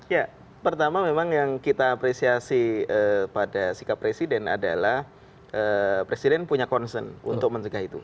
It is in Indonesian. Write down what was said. ya pertama memang yang kita apresiasi pada sikap presiden adalah presiden punya concern untuk mencegah itu